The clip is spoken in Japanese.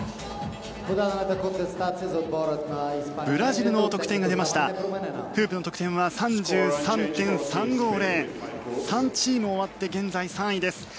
ブラジルの得点が出ましたフープの得点は３３．３５０３チーム終わって現在３位です。